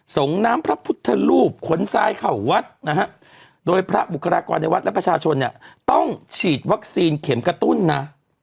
ส่งน้ำพระพุทธรูปขนซ้ายเข้าวัดนะฮะโดยพระบุคลากรในวัดและประชาชนเนี่ยต้องฉีดวัคซีนเข็มกระตุ้นนะ